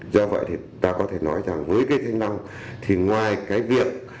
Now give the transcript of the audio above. do vậy thì ta có thể nói rằng với cái thanh năng thì ngoài cái việc